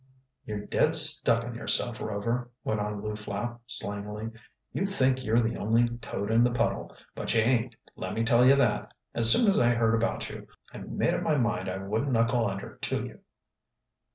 "You're dead stuck on yourself, Rover," went on Lew Flapp slangily. "You think you're the only toad in the puddle. But you ain't, let me tell you that. As soon as I heard about you, I made up my mind I wouldn't knuckle under to you."